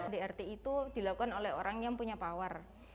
drt itu dilakukan oleh orang yang punya power